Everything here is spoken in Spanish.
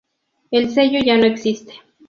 El sello ya no existe.